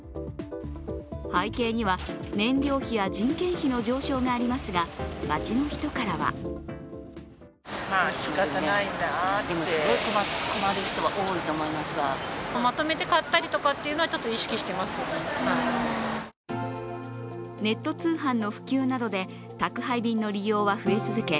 背景には燃料費や人件費の上昇がありますが街の人からはネット通販の普及などで宅配便の利用は増え続け